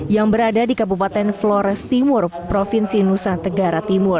yang berada di kabupaten flores timur provinsi nusa tenggara timur